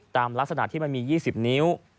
ตามลักษณะที่มันมี๒๐นิ้ว